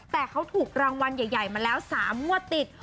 แต่เขาถูกรางวัลใหญ่มาแล้ว๓งวดติด